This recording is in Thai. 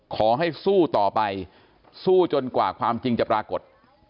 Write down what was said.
ขอให้สู้ต่อไปสู้จนกว่าความจริงจะปรากฏ